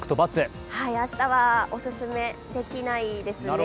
明日はお勧めできないですね。